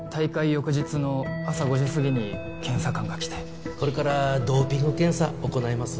翌日の朝５時すぎに検査官が来てこれからドーピング検査行います